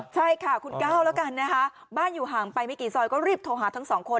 ใช่ค่ะคุณก้าวแล้วกันนะคะบ้านอยู่ห่างไปไม่กี่ซอยก็รีบโทรหาทั้งสองคน